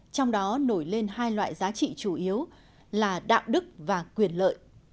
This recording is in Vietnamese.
trong đó nổi lên hai loại giá trị chủ yếu là đạo đức và quyền lợi